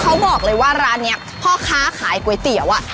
เขาบอกเลยว่าร้านนี้พ่อค้าขายก๋วยเตี๋ยวอ่ะ